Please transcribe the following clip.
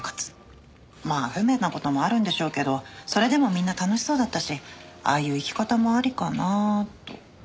まあ不便な事もあるんでしょうけどそれでもみんな楽しそうだったしああいう生き方もありかなと。